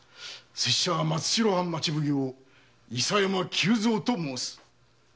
拙者は松代藩町奉行・伊佐山久蔵と申す。